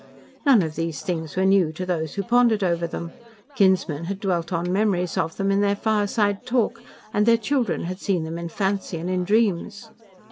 None of these things were new to those who pondered over them, kinsmen had dwelt on memories of them in their fireside talk, and their children had seen them in fancy and in dreams.